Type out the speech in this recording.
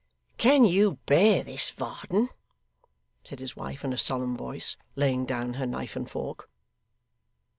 'Can you bear this, Varden?' said his wife in a solemn voice, laying down her knife and fork.